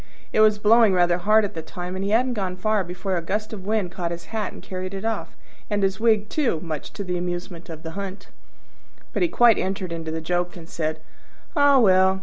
It was blowing rather hard at the time, and he hadn't gone far before a gust of wind caught his hat and carried it off, and his wig too, much to the amusement of the hunt. But he quite entered into the joke, and said, "Ah, well!